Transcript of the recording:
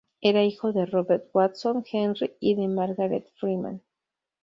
Era hijo de Robert Watson Henry y de Margaret Freeman.